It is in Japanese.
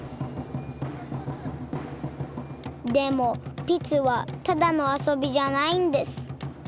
でもピツはただの遊びじゃないんです。